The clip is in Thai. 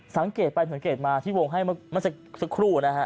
สังเกตไปสังเกตมาที่วงให้เมื่อสักครู่นะฮะ